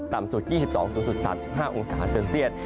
ต่ำสุด๒๒๓๕องศาเซลเซียด